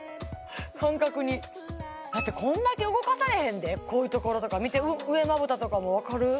感覚にだってこんだけ動かされへんでこういうところとか見て上まぶたとかもわかる？